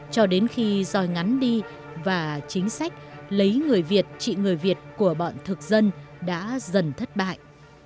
cho đến khi dòi ngắn đi và chính sách lấy người việt chị người việt của bọn thực dân đã dần thất bại